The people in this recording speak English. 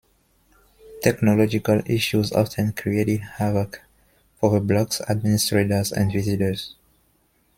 Technological issues often created havoc for the blog's administrators and visitors.